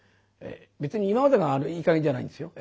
別に今までがいい加減じゃないんですよ。